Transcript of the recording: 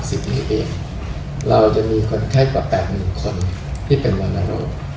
๕๖๐นิดเดียวเราจะมีคนไข้กว่า๘หนึ่งคนที่เป็นวรรณโรค